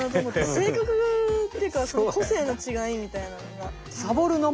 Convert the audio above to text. せいかくっていうか個性の違いみたいなのが。